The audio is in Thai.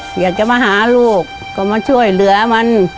อยากจะมาหาลูกก็มาช่วยเหลือมัน